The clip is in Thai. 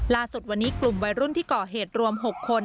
ล่าสุดวันนี้กลุ่มวัยรุ่นที่ก่อเหตุรวม๖คน